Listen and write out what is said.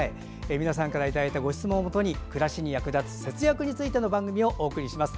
皆さんからいただいたご質問を元に暮らしに役立つ節約についての番組をお送りします。